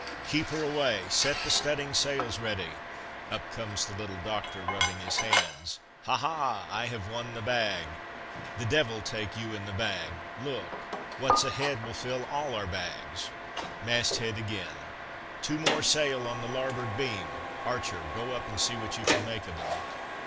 Keep her away! set the studding sails ready!" Up comes the little doctor, rubbing his hands; "Ha! ha! I have won the bag." "The devil take you and the bag; look, what 's ahead will fill all our bags." Mast head again: "Two more sail on the larboard beam!" "Archer, go up, and see what you can make of them."